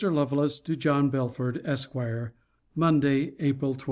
LOVELACE, TO JOHN BELFORD, ESQ. MONDAY, APRIL 24.